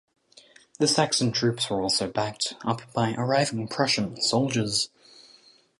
The Saxon troops were also backed up by arriving Prussian soldiers.